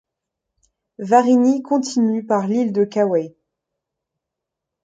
Varigny continue par l'île de Kauai.